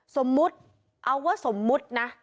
สมมุติเอาว่าสมมุตินะ